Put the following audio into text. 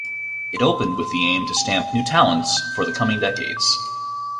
It opened with the aim to stamp new talents for the coming decades.